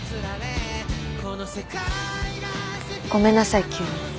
ごめんなさい急に。